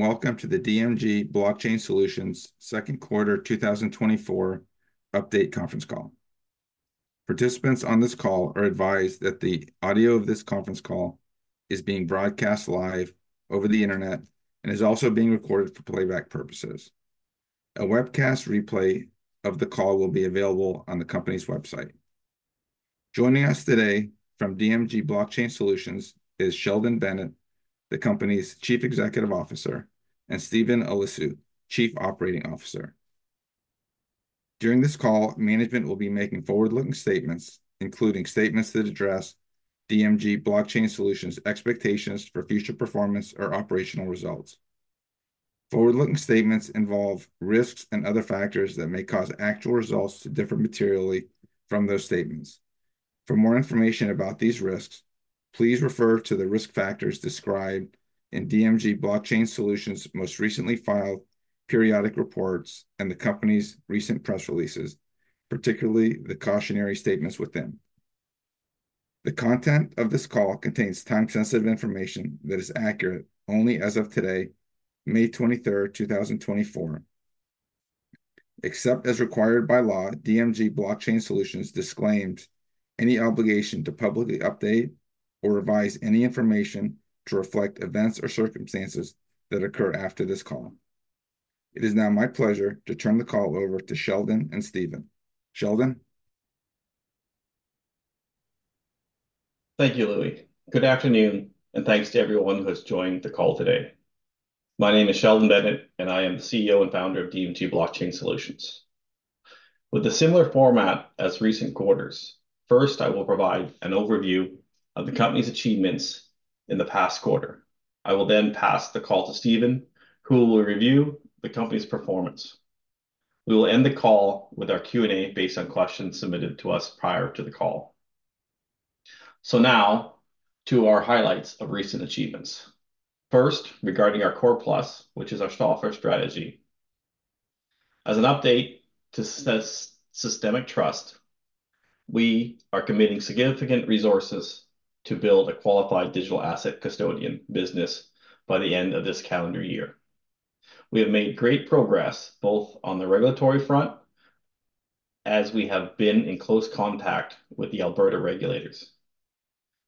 Welcome to the DMG Blockchain Solutions second quarter 2024 update conference call. Participants on this call are advised that the audio of this conference call is being broadcast live over the internet and is also being recorded for playback purposes. A webcast replay of the call will be available on the company's website. Joining us today from DMG Blockchain Solutions is Sheldon Bennett, the company's Chief Executive Officer, and Steven Eliscu, Chief Operating Officer. During this call, management will be making forward-looking statements, including statements that address DMG Blockchain Solutions expectations for future performance or operational results. Forward-looking statements involve risks and other factors that may cause actual results to differ materially from those statements. For more information about these risks, please refer to the risk factors described in DMG Blockchain Solutions' most recently filed periodic reports and the company's recent press releases, particularly the cautionary statements with them. The content of this call contains time-sensitive information that is accurate only as of today, May twenty-third, two thousand and twenty-four. Except as required by law, DMG Blockchain Solutions disclaims any obligation to publicly update or revise any information to reflect events or circumstances that occur after this call. It is now my pleasure to turn the call over to Sheldon and Steven. Sheldon? Thank you, Louis. Good afternoon, and thanks to everyone who has joined the call today. My name is Sheldon Bennett, and I am the CEO and founder of DMG Blockchain Solutions. With a similar format as recent quarters, first, I will provide an overview of the company's achievements in the past quarter. I will then pass the call to Steven, who will review the company's performance. We will end the call with our Q&A based on questions submitted to us prior to the call. So now, to our highlights of recent achievements. First, regarding our Core Plus, which is our software strategy. As an update to Systemic Trust, we are committing significant resources to build a qualified digital asset custodian business by the end of this calendar year. We have made great progress, both on the regulatory front, as we have been in close contact with the Alberta regulators,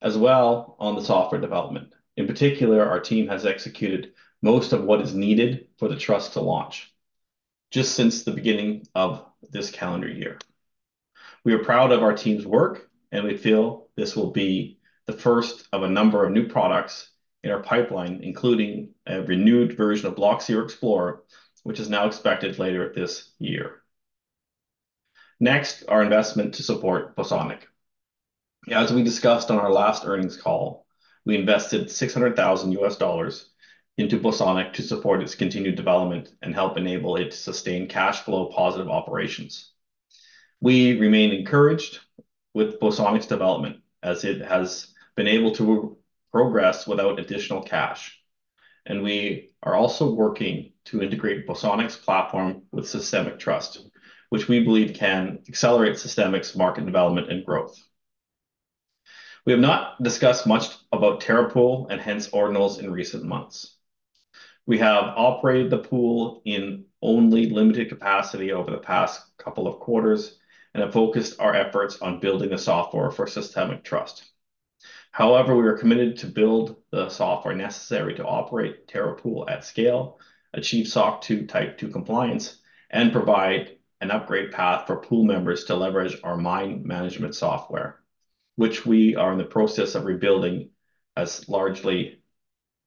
as well on the software development. In particular, our team has executed most of what is needed for the trust to launch just since the beginning of this calendar year. We are proud of our team's work, and we feel this will be the first of a number of new products in our pipeline, including a renewed version of Blockseer Explorer, which is now expected later this year. Next, our investment to support Bosonic. As we discussed on our last earnings call, we invested $600,000 into Bosonic to support its continued development and help enable it to sustain cash flow positive operations. We remain encouraged with Bosonic's development, as it has been able to progress without additional cash, and we are also working to integrate Bosonic's platform with Systemic Trust, which we believe can accelerate Systemic's market development and growth. We have not discussed much about TerraPool, and hence Ordinals, in recent months. We have operated the pool in only limited capacity over the past couple of quarters and have focused our efforts on building the software for Systemic Trust. However, we are committed to build the software necessary to operate TerraPool at scale, achieve SOC 2 Type 2 compliance, and provide an upgrade path for pool members to leverage our mine management software, which we are in the process of rebuilding as largely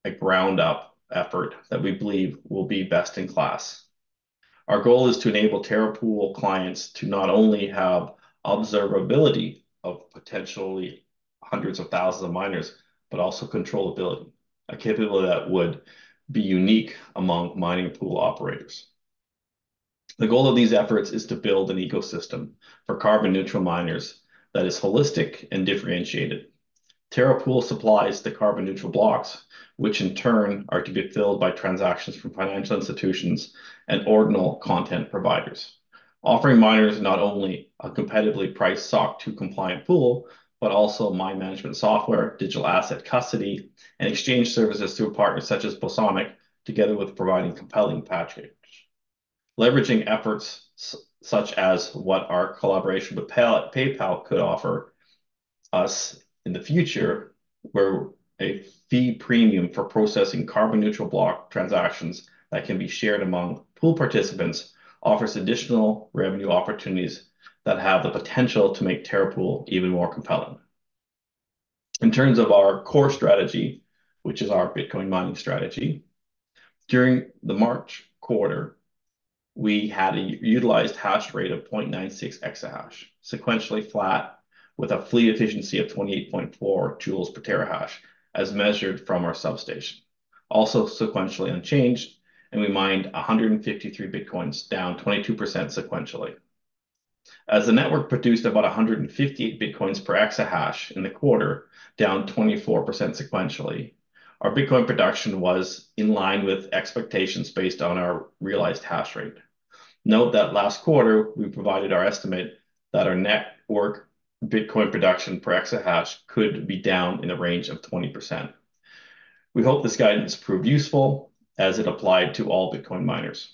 a ground-up effort that we believe will be best in class. Our goal is to enable Terra Pool clients to not only have observability of potentially hundreds of thousands of miners, but also controllability, a capability that would be unique among mining pool operators. The goal of these efforts is to build an ecosystem for carbon-neutral miners that is holistic and differentiated. Terra Pool supplies the carbon neutral blocks, which in turn are to be filled by transactions from financial institutions and Ordinal content providers. Offering miners not only a competitively priced SOC 2 compliant pool, but also mine management software, digital asset custody, and exchange services through a partner such as Bosonic, together with providing compelling package. Leveraging efforts such as what our collaboration with PayPal could offer us in the future, where a fee premium for processing carbon neutral block transactions that can be shared among pool participants, offers additional revenue opportunities that have the potential to make TerraPool even more compelling. In terms of our core strategy, which is our Bitcoin mining strategy, during the March quarter, we had a utilized hash rate of 0.96 exahash, sequentially flat, with a fleet efficiency of 28.4 joules per terahash, as measured from our substation, also sequentially unchanged, and we mined 153 bitcoins, down 22% sequentially. As the network produced about 158 bitcoins per exahash in the quarter, down 24% sequentially, our Bitcoin production was in line with expectations based on our realized hash rate.... Note that last quarter, we provided our estimate that our network Bitcoin production per exahash could be down in the range of 20%. We hope this guidance proved useful as it applied to all Bitcoin miners.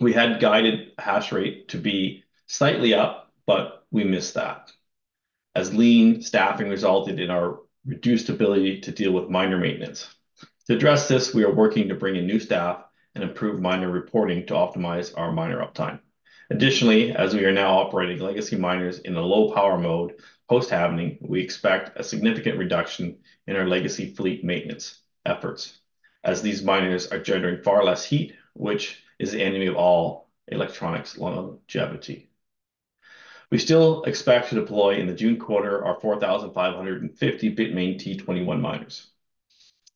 We had guided hash rate to be slightly up, but we missed that, as lean staffing resulted in our reduced ability to deal with miner maintenance. To address this, we are working to bring in new staff and improve miner reporting to optimize our miner uptime. Additionally, as we are now operating legacy miners in a low-power mode post-halving, we expect a significant reduction in our legacy fleet maintenance efforts, as these miners are generating far less heat, which is the enemy of all electronics' longevity. We still expect to deploy in the June quarter our 4,550 Bitmain T21 miners.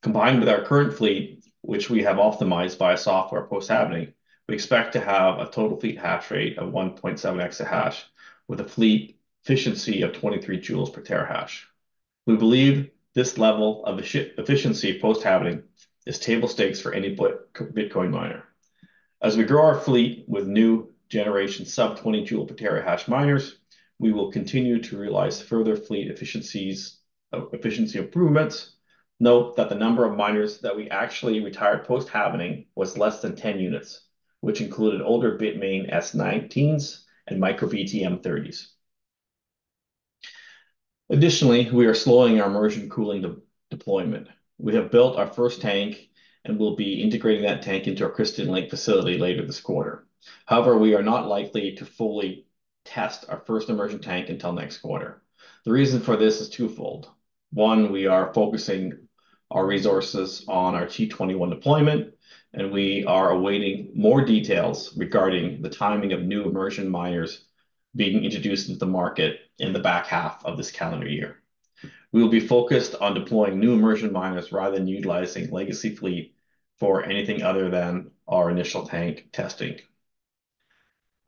Combined with our current fleet, which we have optimized via software post-halving, we expect to have a total fleet hash rate of 1.7 exahash, with a fleet efficiency of 23 joules per terahash. We believe this level of efficiency post-halving is table stakes for any Bitcoin miner. As we grow our fleet with new generation sub-20-joule per terahash miners, we will continue to realize further fleet efficiencies, efficiency improvements. Note that the number of miners that we actually retired post-halving was less than 10 units, which included older Bitmain S19s and MicroBT M30s. Additionally, we are slowing our immersion cooling deployment. We have built our first tank and will be integrating that tank into our Christina Lake facility later this quarter. However, we are not likely to fully test our first immersion tank until next quarter. The reason for this is twofold. One, we are focusing our resources on our T21 deployment, and we are awaiting more details regarding the timing of new immersion miners being introduced into the market in the back half of this calendar year. We will be focused on deploying new immersion miners rather than utilizing legacy fleet for anything other than our initial tank testing.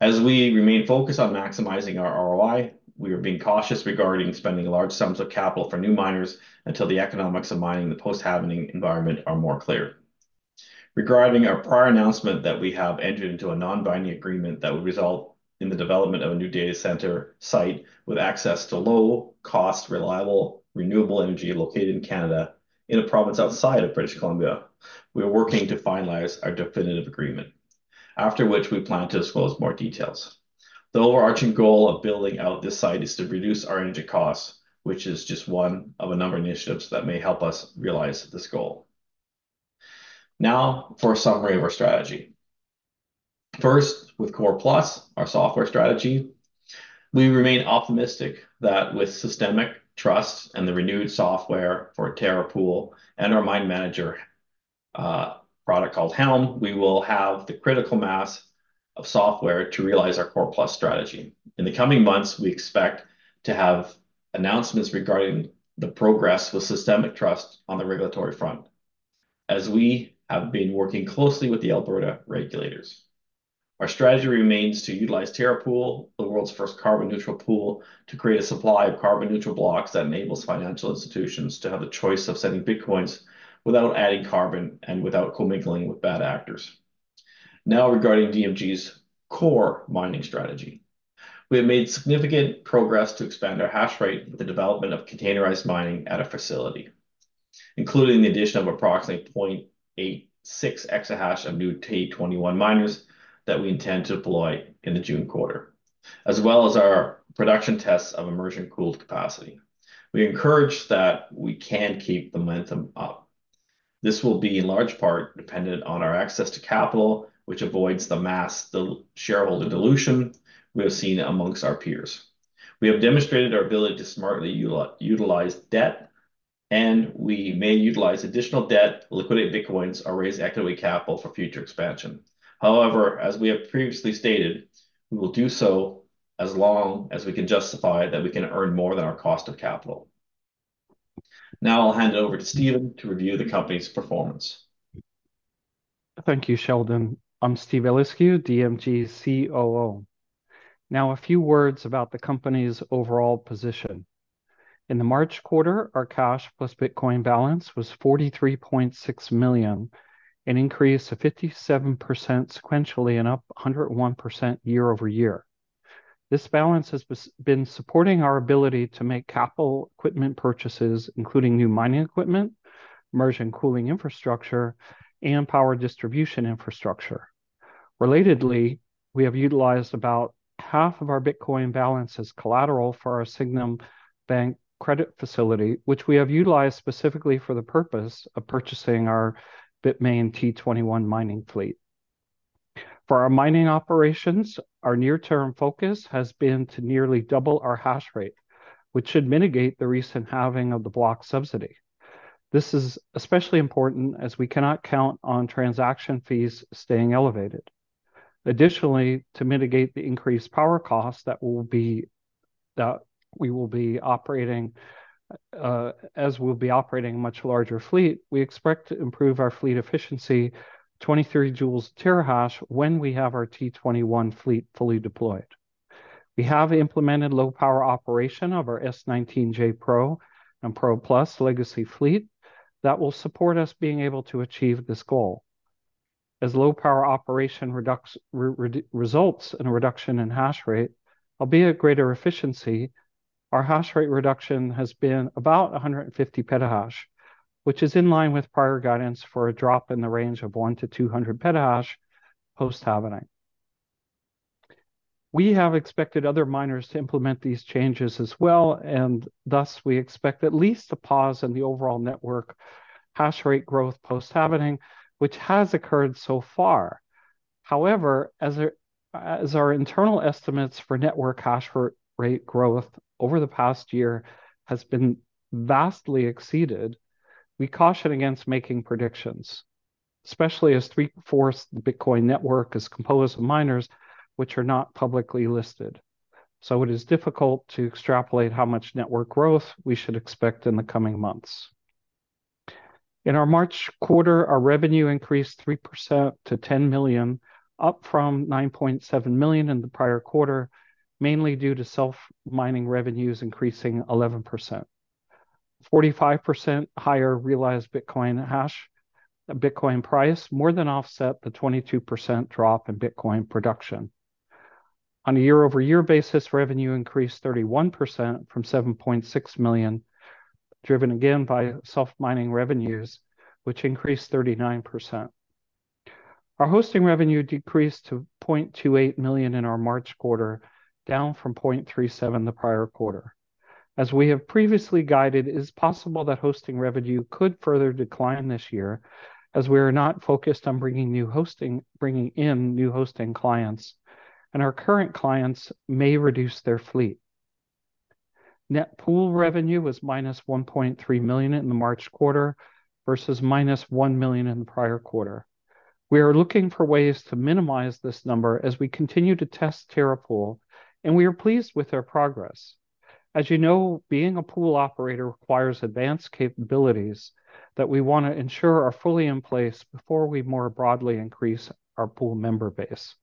As we remain focused on maximizing our ROI, we are being cautious regarding spending large sums of capital for new miners until the economics of mining in the post-halving environment are more clear. Regarding our prior announcement that we have entered into a non-binding agreement that would result in the development of a new data center site with access to low-cost, reliable, renewable energy located in Canada, in a province outside of British Columbia, we are working to finalize our definitive agreement, after which we plan to disclose more details. The overarching goal of building out this site is to reduce our energy costs, which is just one of a number of initiatives that may help us realize this goal. Now, for a summary of our strategy. First, with Core Plus, our software strategy, we remain optimistic that with Systemic Trust and the renewed software for Terra Pool and our mine manager, product called Helm, we will have the critical mass of software to realize our Core Plus strategy. In the coming months, we expect to have announcements regarding the progress with Systemic Trust on the regulatory front, as we have been working closely with the Alberta regulators. Our strategy remains to utilize Terra Pool, the world's first carbon-neutral pool, to create a supply of carbon-neutral blocks that enables financial institutions to have the choice of sending Bitcoins without adding carbon and without commingling with bad actors. Now, regarding DMG's core mining strategy. We have made significant progress to expand our hash rate with the development of containerized mining at a facility, including the addition of approximately 0.86 exahash of new T21 miners that we intend to deploy in the June quarter, as well as our production tests of immersion-cooled capacity. We encourage that we can keep the momentum up. This will be in large part dependent on our access to capital, which avoids the shareholder dilution we have seen amongst our peers. We have demonstrated our ability to smartly utilize debt, and we may utilize additional debt, liquidate Bitcoins, or raise equity capital for future expansion. However, as we have previously stated, we will do so as long as we can justify that we can earn more than our cost of capital. Now I'll hand it over to Steven to review the company's performance. Thank you, Sheldon. I'm Steven Eliscu, DMG's COO. Now, a few words about the company's overall position. In the March quarter, our cash plus Bitcoin balance was $43.6 million, an increase of 57% sequentially and up 101% year-over-year. This balance has been supporting our ability to make capital equipment purchases, including new mining equipment, immersion cooling infrastructure, and power distribution infrastructure. Relatedly, we have utilized about half of our Bitcoin balance as collateral for our Sygnum Bank credit facility, which we have utilized specifically for the purpose of purchasing our Bitmain T21 mining fleet. For our mining operations, our near-term focus has been to nearly double our hash rate, which should mitigate the recent halving of the block subsidy. This is especially important as we cannot count on transaction fees staying elevated. Additionally, to mitigate the increased power costs that we will be operating, as we'll be operating a much larger fleet, we expect to improve our fleet efficiency, 23 joules per terahash, when we have our T21 fleet fully deployed. We have implemented low-power operation of our S19j Pro and Pro Plus legacy fleet that will support us being able to achieve this goal. As low-power operation results in a reduction in hash rate, albeit greater efficiency, our hash rate reduction has been about 150 petahash, which is in line with prior guidance for a drop in the range of 100-200 petahash post-halving. We have expected other miners to implement these changes as well, and thus we expect at least a pause in the overall network hash rate growth post-halving, which has occurred so far. However, as our internal estimates for network hash rate growth over the past year has been vastly exceeded, we caution against making predictions, especially as three-fourths of the Bitcoin network is composed of miners which are not publicly listed. So it is difficult to extrapolate how much network growth we should expect in the coming months. In our March quarter, our revenue increased 3% to $10 million, up from $9.7 million in the prior quarter, mainly due to self-mining revenues increasing 11%. 45% higher realized Bitcoin hash, Bitcoin price more than offset the 22% drop in Bitcoin production. On a year-over-year basis, revenue increased 31% from $7.6 million, driven again by self-mining revenues, which increased 39%. Our hosting revenue decreased to $0.28 million in our March quarter, down from $0.37 million the prior quarter. As we have previously guided, it is possible that hosting revenue could further decline this year, as we are not focused on bringing in new hosting clients, and our current clients may reduce their fleet. Net pool revenue was -$1.3 million in the March quarter versus -$1 million in the prior quarter. We are looking for ways to minimize this number as we continue to test Terra Pool, and we are pleased with our progress. As you know, being a pool operator requires advanced capabilities that we want to ensure are fully in place before we more broadly increase our pool member base.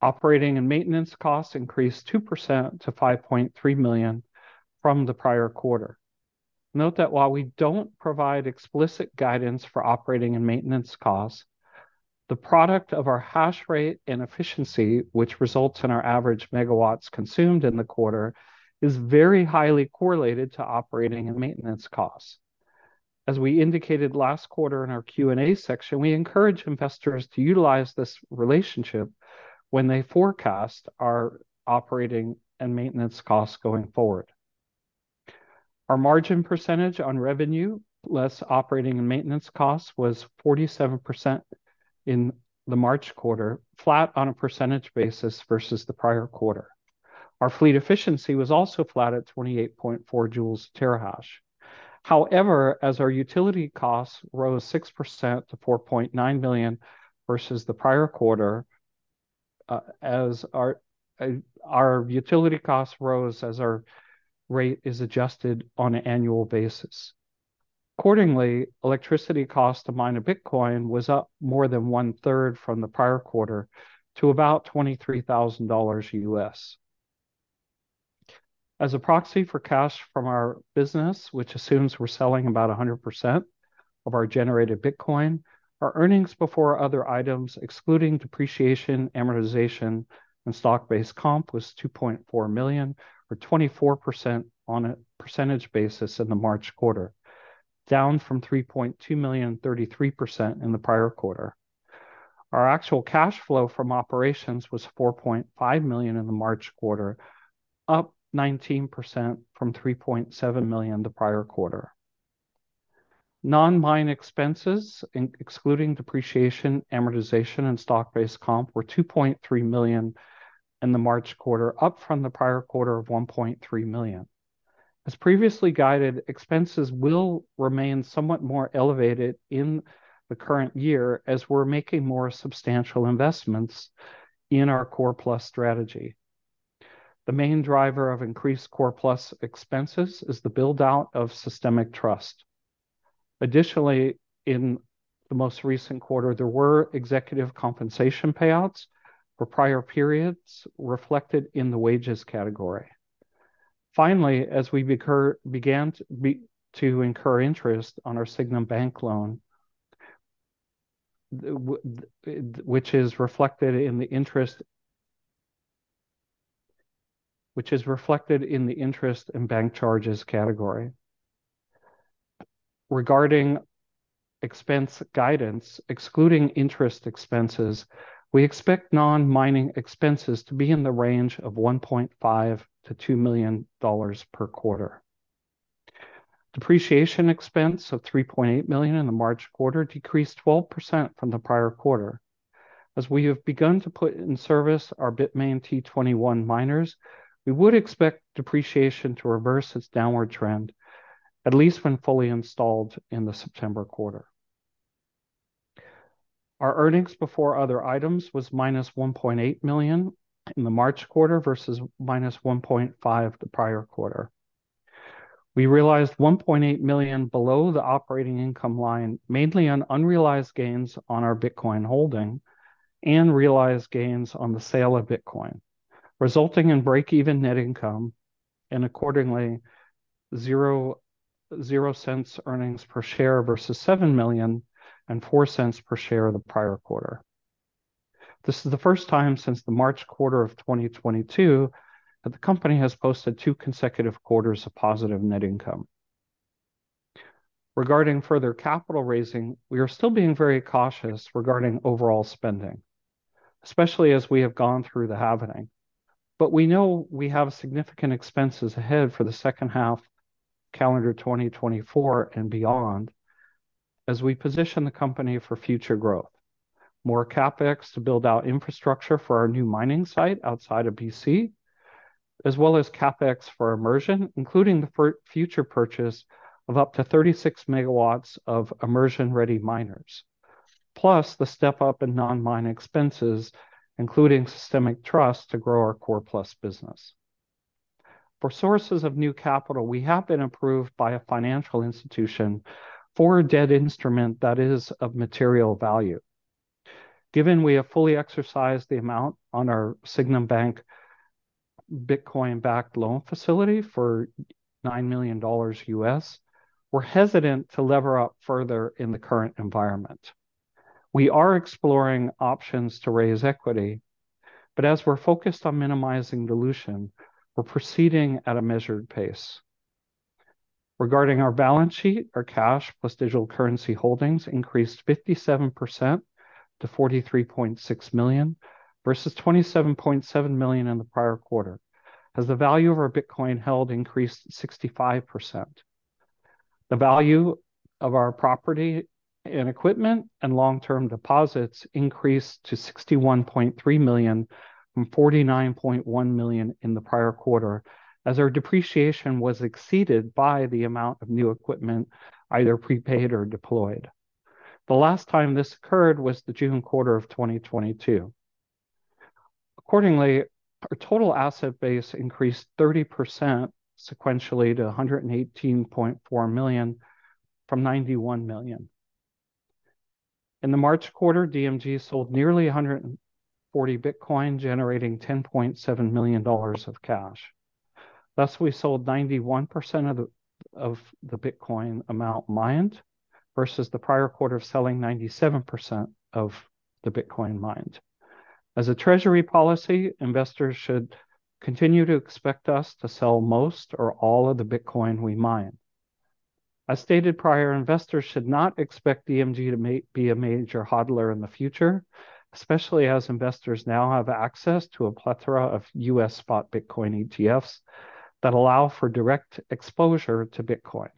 Operating and maintenance costs increased 2% to $5.3 million from the prior quarter. Note that while we don't provide explicit guidance for operating and maintenance costs, the product of our hash rate and efficiency, which results in our average megawatts consumed in the quarter, is very highly correlated to operating and maintenance costs. As we indicated last quarter in our Q&A section, we encourage investors to utilize this relationship when they forecast our operating and maintenance costs going forward. Our margin percentage on revenue, less operating and maintenance costs, was 47% in the March quarter, flat on a percentage basis versus the prior quarter. Our fleet efficiency was also flat at 28.4 joules per terahash. However, as our utility costs rose 6% to $4.9 million versus the prior quarter, as our rate is adjusted on an annual basis. Accordingly, electricity cost to mine a Bitcoin was up more than one-third from the prior quarter to about $23,000. As a proxy for cash from our business, which assumes we're selling about 100% of our generated Bitcoin, our earnings before other items, excluding depreciation, amortization, and stock-based comp, was $2.4 million, or 24% on a percentage basis in the March quarter, down from $3.2 million, 33% in the prior quarter. Our actual cash flow from operations was $4.5 million in the March quarter, up 19% from $3.7 million the prior quarter. Non-mine expenses, excluding depreciation, amortization, and stock-based comp, were $2.3 million in the March quarter, up from the prior quarter of $1.3 million. As previously guided, expenses will remain somewhat more elevated in the current year as we're making more substantial investments in our Core Plus strategy. The main driver of increased Core Plus expenses is the build-out of Systemic Trust. Additionally, in the most recent quarter, there were executive compensation payouts for prior periods reflected in the wages category. Finally, as we began to incur interest on our Sygnum Bank loan, which is reflected in the interest and bank charges category. Regarding expense guidance, excluding interest expenses, we expect non-mining expenses to be in the range of $1.5 million-$2 million per quarter. Depreciation expense of $3.8 million in the March quarter decreased 12% from the prior quarter. As we have begun to put in service our Bitmain T21 miners, we would expect depreciation to reverse its downward trend, at least when fully installed in the September quarter. Our earnings before other items was -$1.8 million in the March quarter versus -$1.5 million the prior quarter. We realized $1.8 million below the operating income line, mainly on unrealized gains on our Bitcoin holding and realized gains on the sale of Bitcoin, resulting in break-even net income and accordingly, $0.00 earnings per share versus $7 million and $0.04 per share the prior quarter. This is the first time since the March quarter of 2022 that the company has posted two consecutive quarters of positive net income. Regarding further capital raising, we are still being very cautious regarding overall spending, especially as we have gone through the halving. But we know we have significant expenses ahead for the second half, calendar 2024 and beyond, as we position the company for future growth. More CapEx to build out infrastructure for our new mining site outside of BC, as well as CapEx for immersion, including the future purchase of up to 36 MW of immersion-ready miners, plus the step up in non-mine expenses, including Systemic Trust, to grow our Core Plus business. For sources of new capital, we have been approved by a financial institution for a debt instrument that is of material value. Given we have fully exercised the amount on our Sygnum Bank Bitcoin-backed loan facility for $9 million, we're hesitant to lever up further in the current environment. We are exploring options to raise equity, but as we're focused on minimizing dilution, we're proceeding at a measured pace. Regarding our balance sheet, our cash plus digital currency holdings increased 57% to $43.6 million, versus $27.7 million in the prior quarter, as the value of our Bitcoin held increased 65%. The value of our property and equipment and long-term deposits increased to $61.3 million, from $49.1 million in the prior quarter, as our depreciation was exceeded by the amount of new equipment, either prepaid or deployed. The last time this occurred was the June quarter of 2022. Accordingly, our total asset base increased 30% sequentially to $118.4 million from $91 million. In the March quarter, DMG sold nearly 140 Bitcoin, generating $10.7 million of cash. Thus, we sold 91% of the, of the Bitcoin amount mined, versus the prior quarter selling 97% of the Bitcoin mined. As a treasury policy, investors should continue to expect us to sell most or all of the Bitcoin we mine. As stated prior, investors should not expect DMG to be a major hodler in the future, especially as investors now have access to a plethora of U.S. spot Bitcoin ETFs that allow for direct exposure to Bitcoin.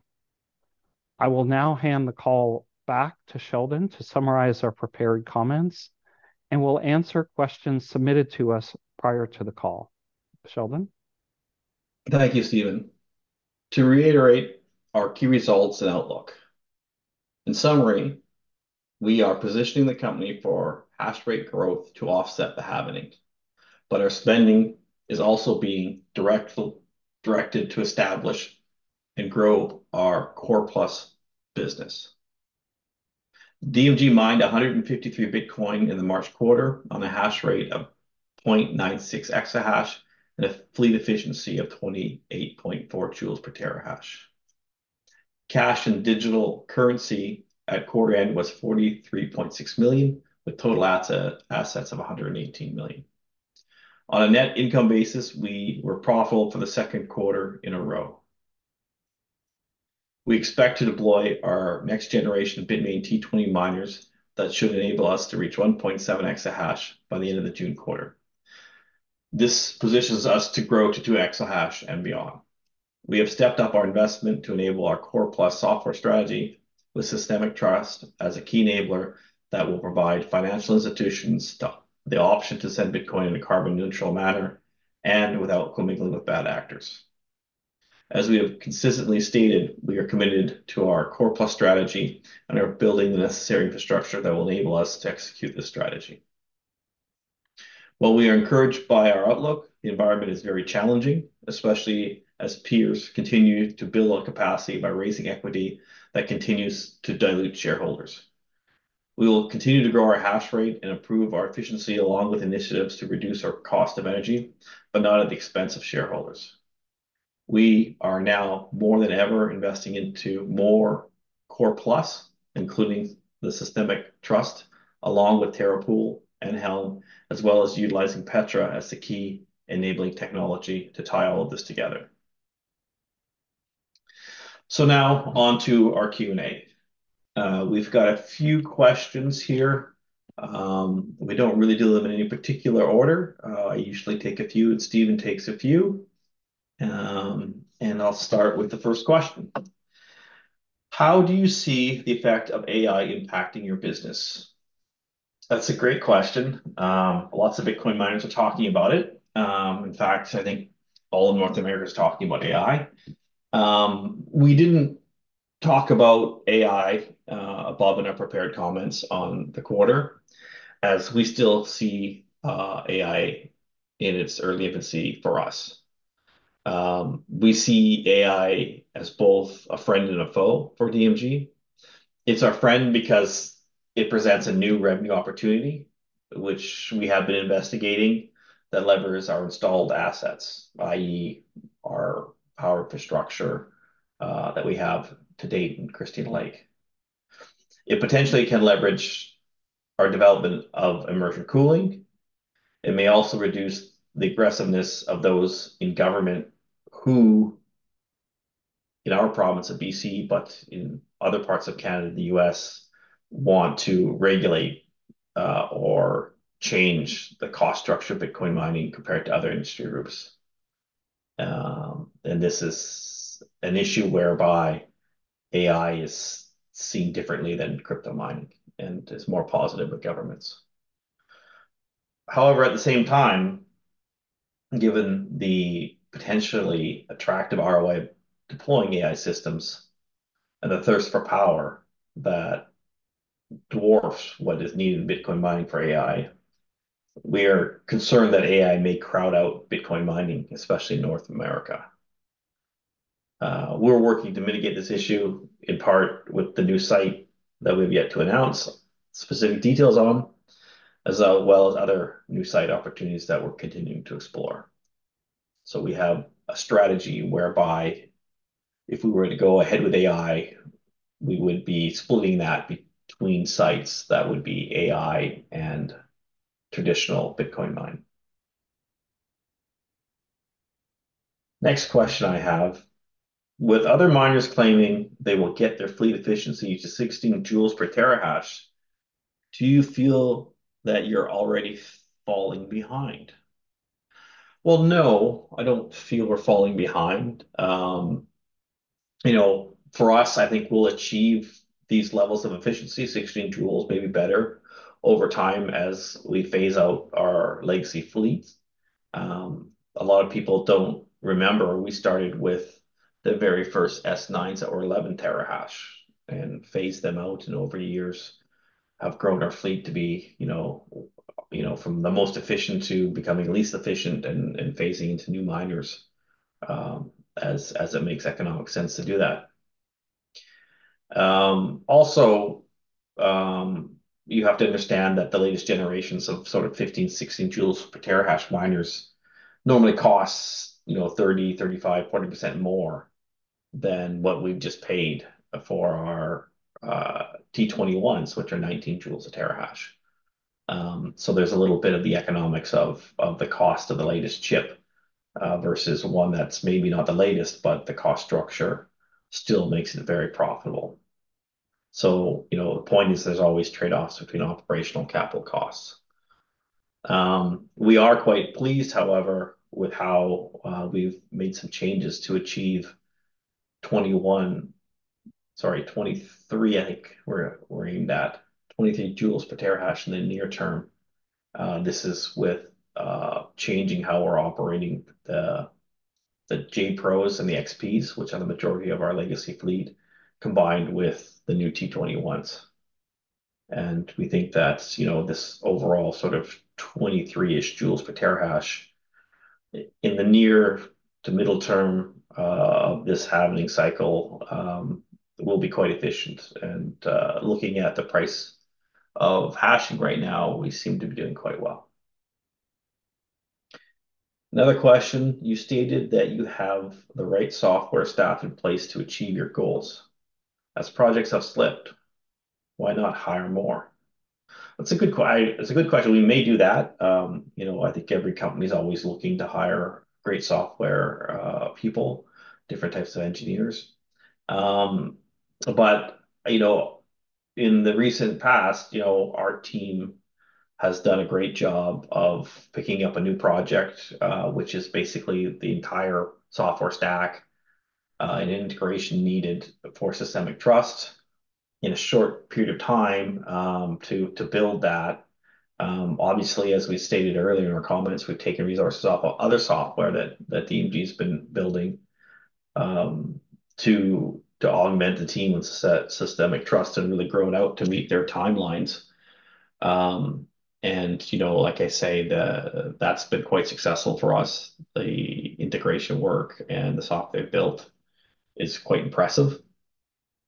I will now hand the call back to Sheldon to summarize our prepared comments, and we'll answer questions submitted to us prior to the call. Sheldon? Thank you, Steven. To reiterate our key results and outlook. In summary, we are positioning the company for hash rate growth to offset the halving, but our spending is also being directed to establish and grow our Core Plus business. DMG mined 153 Bitcoin in the March quarter on a hash rate of 0.96 exahash and a fleet efficiency of 28.4 joules per terahash. Cash and digital currency at quarter end was $43.6 million, with total assets of $118 million. On a net income basis, we were profitable for the second quarter in a row. We expect to deploy our next generation of Bitmain T21 miners. That should enable us to reach 1.7 exahash by the end of the June quarter. This positions us to grow to 2 exahash and beyond. We have stepped up our investment to enable our Core Plus software strategy, with Systemic Trust as a key enabler that will provide financial institutions the option to send Bitcoin in a carbon neutral manner and without commingling with bad actors. As we have consistently stated, we are committed to our Core Plus strategy and are building the necessary infrastructure that will enable us to execute this strategy. While we are encouraged by our outlook, the environment is very challenging, especially as peers continue to build on capacity by raising equity that continues to dilute shareholders. We will continue to grow our hash rate and improve our efficiency, along with initiatives to reduce our cost of energy, but not at the expense of shareholders. We are now, more than ever, investing into more Core+, including the Systemic Trust, along with Terra Pool and Helm, as well as utilizing Petra as the key enabling technology to tie all of this together. So now on to our Q&A. We've got a few questions here. We don't really do them in any particular order. I usually take a few, and Steven takes a few. I'll start with the first question: How do you see the effect of AI impacting your business? That's a great question. Lots of Bitcoin miners are talking about it. In fact, I think all of North America is talking about AI. We didn't talk about AI above in our prepared comments on the quarter, as we still see AI in its early infancy for us. We see AI as both a friend and a foe for DMG. It's our friend because it presents a new revenue opportunity, which we have been investigating, that levers our installed assets, i.e., our power infrastructure, that we have to date in Christina Lake. It potentially can leverage our development of immersion cooling. It may also reduce the aggressiveness of those in government who, in our province of BC, but in other parts of Canada and the U.S., want to regulate, or change the cost structure of Bitcoin mining compared to other industry groups. And this is an issue whereby AI is seen differently than crypto mining, and is more positive with governments. However, at the same time, given the potentially attractive ROI of deploying AI systems and the thirst for power that dwarfs what is needed in Bitcoin mining for AI, we're concerned that AI may crowd out Bitcoin mining, especially in North America. We're working to mitigate this issue, in part with the new site that we've yet to announce specific details on, as well as other new site opportunities that we're continuing to explore. So we have a strategy whereby if we were to go ahead with AI, we would be splitting that between sites that would be AI and traditional Bitcoin mine. Next question I have: With other miners claiming they will get their fleet efficiency to 16 joules per terahash, do you feel that you're already falling behind? Well, no, I don't feel we're falling behind. You know, for us, I think we'll achieve these levels of efficiency, 16 joules, maybe better, over time as we phase out our legacy fleet. A lot of people don't remember, we started with the very first S9s that were 11 terahash, and phased them out, and over the years, have grown our fleet to be, you know, you know, from the most efficient to becoming least efficient and, and phasing into new miners, as, as it makes economic sense to do that. Also, you have to understand that the latest generations of sort of 15, 16 joules per terahash miners normally cost, you know, 30%-40% more than what we've just paid for our T21s, which are 19 joules per terahash. So there's a little bit of the economics of the cost of the latest chip versus one that's maybe not the latest, but the cost structure still makes it very profitable. So, you know, the point is, there's always trade-offs between operational capital costs. We are quite pleased, however, with how we've made some changes to achieve 21... Sorry, 23, I think we're, we're aimed at. 23 joules per terahash in the near term. This is with changing how we're operating the J Pros and the XPs, which are the majority of our legacy fleet, combined with the new T21s. And we think that's, you know, this overall sort of 23-ish joules per terahash in the near to middle term of this halving cycle will be quite efficient. Looking at the price of hashing right now, we seem to be doing quite well. Another question, you stated that you have the right software staff in place to achieve your goals. As projects have slipped, why not hire more? That's a good question. We may do that. You know, I think every company is always looking to hire great software people, different types of engineers. But, you know, in the recent past, you know, our team has done a great job of picking up a new project, which is basically the entire software stack, and integration needed for Systemic Trust in a short period of time, to build that. Obviously, as we stated earlier in our comments, we've taken resources off of other software that DMG has been building, to augment the team with Systemic Trust, and really grown out to meet their timelines. And, you know, like I say, that's been quite successful for us. The integration work and the software built is quite impressive.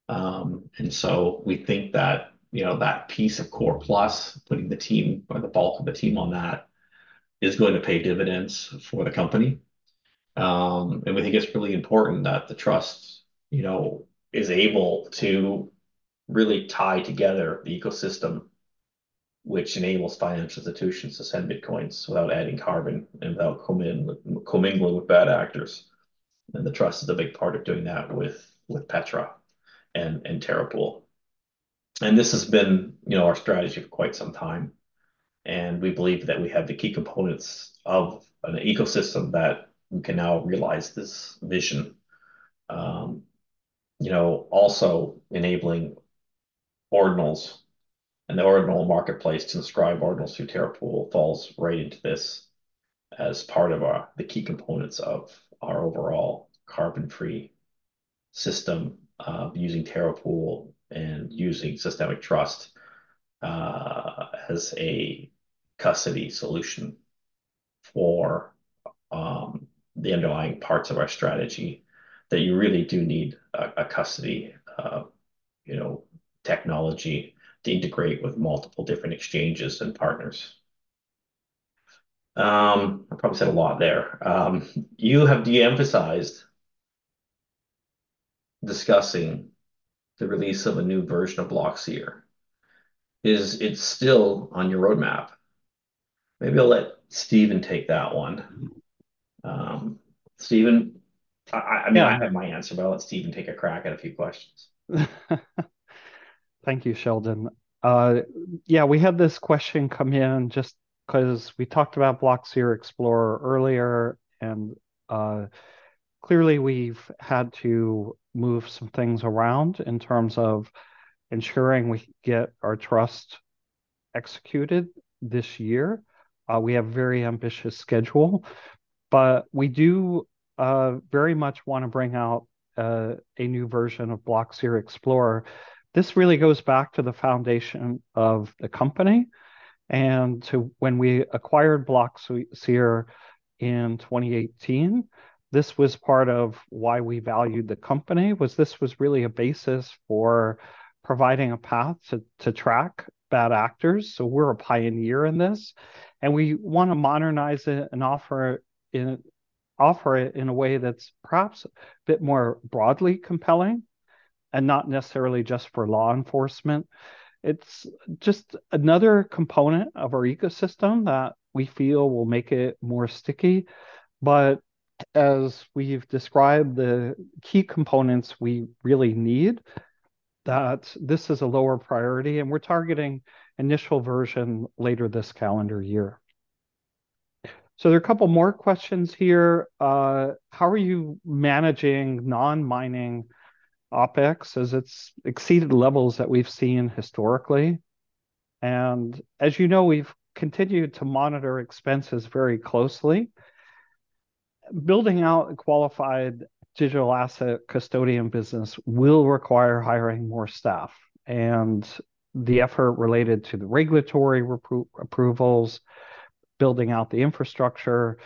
And so we think that, you know, that piece of Core Plus, putting the team or the bulk of the team on that, is going to pay dividends for the company. And we think it's really important that the trust, you know, is able to really tie together the ecosystem, which enables financial institutions to send bitcoins without adding carbon and without commingling with bad actors. And the trust is a big part of doing that with Petra and Terra Pool. This has been, you know, our strategy for quite some time, and we believe that we have the key components of an ecosystem that we can now realize this vision. You know, also enabling Ordinals, and the Ordinals marketplace to inscribe Ordinals through Terra Pool falls right into this as part of our, the key components of our overall carbon-free system, using Terra Pool and using Systemic Trust, as a custody solution for the underlying parts of our strategy, that you really do need a custody technology to integrate with multiple different exchanges and partners. I probably said a lot there. You have de-emphasized discussing the release of a new version of Blockseer. Is it still on your roadmap? Maybe I'll let Steven take that one. Steven, I mean, I have my answer, but I'll let Steven take a crack at a few questions. Thank you, Sheldon. Yeah, we had this question come in just 'cause we talked about Blockseer Explorer earlier, and clearly, we've had to move some things around in terms of ensuring we get our trust executed this year. We have a very ambitious schedule, but we do very much wanna bring out a new version of Blockseer Explorer. This really goes back to the foundation of the company, and to when we acquired Blockseer in 2018, this was part of why we valued the company, was this was really a basis for providing a path to track bad actors. So we're a pioneer in this, and we wanna modernize it and offer it in, offer it in a way that's perhaps a bit more broadly compelling, and not necessarily just for law enforcement. It's just another component of our ecosystem that we feel will make it more sticky. But as we've described the key components we really need, that this is a lower priority, and we're targeting initial version later this calendar year. So there are a couple more questions here. How are you managing non-mining OpEx, as it's exceeded levels that we've seen historically? And as you know, we've continued to monitor expenses very closely. Building out a qualified digital asset custodian business will require hiring more staff, and the effort related to the regulatory approvals, building out the infrastructure,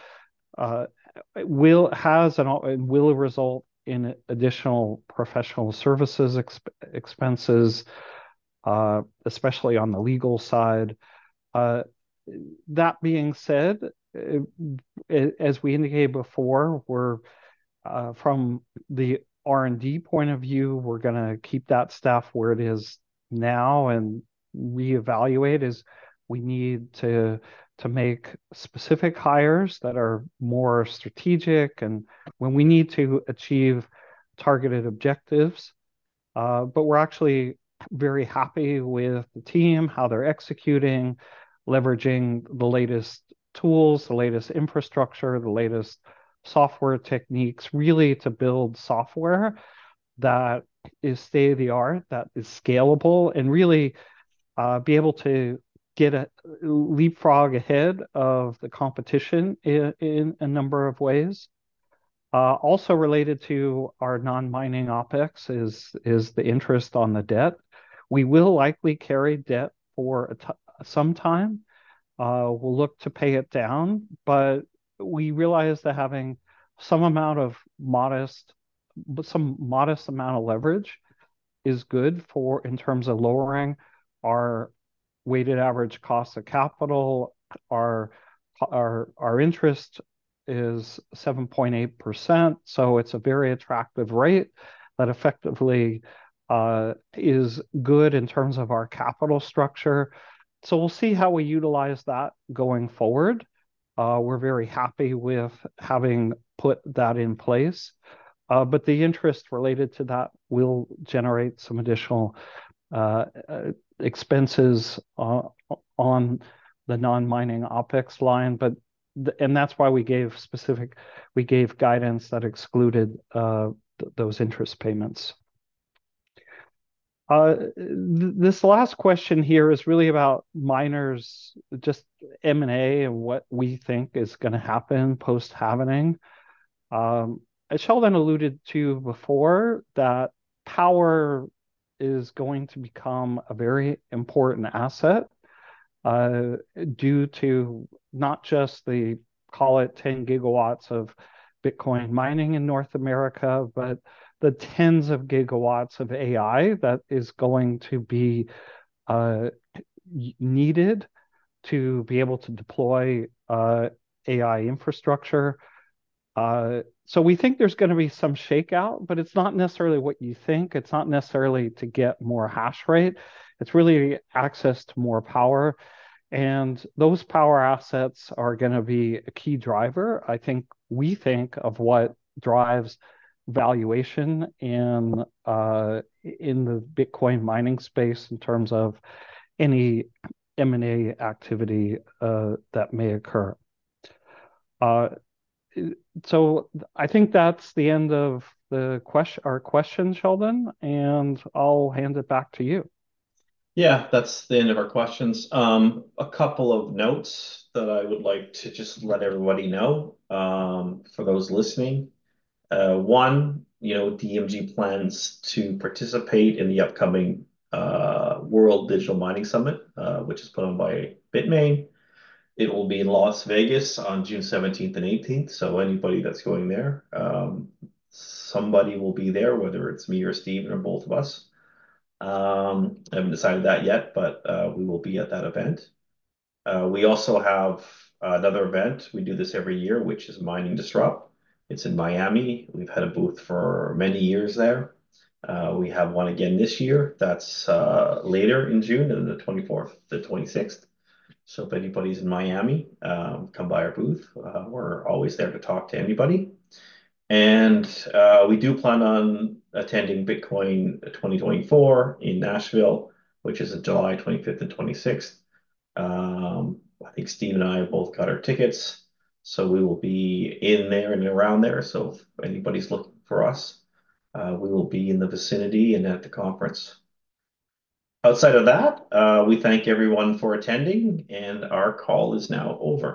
will result in additional professional services expenses, especially on the legal side. That being said, as we indicated before, we're from the R&D point of view, we're gonna keep that staff where it is now, and reevaluate as we need to, to make specific hires that are more strategic and when we need to achieve targeted objectives. But we're actually very happy with the team, how they're executing, leveraging the latest tools, the latest infrastructure, the latest software techniques, really to build software that is state-of-the-art, that is scalable, and really, be able to get a leapfrog ahead of the competition in a number of ways. Also related to our non-mining OpEx is the interest on the debt. We will likely carry debt for some time. We'll look to pay it down, but we realize that having some modest amount of leverage is good for, in terms of lowering our weighted average cost of capital. Our interest is 7.8%, so it's a very attractive rate that effectively is good in terms of our capital structure. So we'll see how we utilize that going forward. We're very happy with having put that in place. But the interest related to that will generate some additional expenses on the non-mining OpEx line. And that's why we gave guidance that excluded those interest payments. This last question here is really about miners, just M&A, and what we think is gonna happen post-halving. As Sheldon alluded to before, that power is going to become a very important asset, due to not just the, call it, 10 gigawatts of Bitcoin mining in North America, but the tens of gigawatts of AI that is going to be needed to be able to deploy AI infrastructure. So we think there's gonna be some shakeout, but it's not necessarily what you think. It's not necessarily to get more hash rate, it's really access to more power, and those power assets are gonna be a key driver. I think we think of what drives valuation in the Bitcoin mining space in terms of any M&A activity that may occur. So I think that's the end of our questions, Sheldon, and I'll hand it back to you. Yeah, that's the end of our questions. A couple of notes that I would like to just let everybody know, for those listening. One, you know, DMG plans to participate in the upcoming World Digital Mining Summit, which is put on by Bitmain. It will be in Las Vegas on June seventeenth and eighteenth, so anybody that's going there, somebody will be there, whether it's me or Steve or both of us. I haven't decided that yet, but, we will be at that event. We also have another event, we do this every year, which is Mining Disrupt. It's in Miami. We've had a booth for many years there. We have one again this year that's, later in June, on the twenty-fourth to the twenty-sixth. So if anybody's in Miami, come by our booth. We're always there to talk to anybody. And, we do plan on attending Bitcoin 2024 in Nashville, which is on July 25th and 26th. I think Steve and I both got our tickets, so we will be in there and around there. So if anybody's looking for us, we will be in the vicinity and at the conference. Outside of that, we thank everyone for attending, and our call is now over.